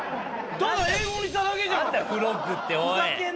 ただ英語にしただけじゃん。